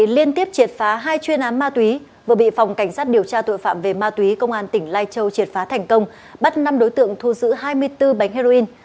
liên tiếp triệt phá hai chuyên án ma túy vừa bị phòng cảnh sát điều tra tội phạm về ma túy công an tỉnh lai châu triệt phá thành công bắt năm đối tượng thu giữ hai mươi bốn bánh heroin